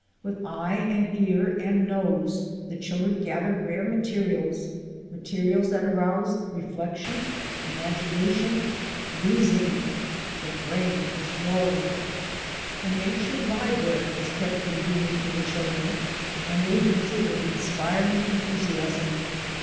With eye and ear and nose the children 166 THE ADVENTURES OF A NATURE GUIDE gather rare materials — materials that arouse re flection, imagination, reasoning; the brain is grow ing. A nature library is kept convenient for the chil dren and they use it with inspiring enthusiasm.